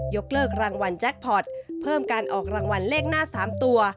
กเลิกรางวัลแจ็คพอร์ตเพิ่มการออกรางวัลเลขหน้า๓ตัว